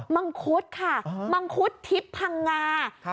มังคุดค่ะมังคุดทิพย์พังงา